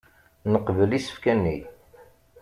Neqbel isefka-nni.